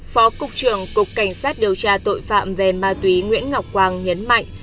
phó cục trưởng cục cảnh sát điều tra tội phạm về ma túy nguyễn ngọc quang nhấn mạnh